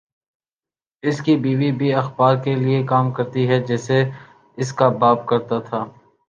اس کی بیوی بھِی اخبار کے لیے کام کرتی ہے جیسے اس کا باپ کرتا تھا